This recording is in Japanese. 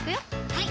はい